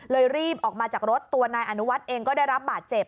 รีบออกมาจากรถตัวนายอนุวัฒน์เองก็ได้รับบาดเจ็บ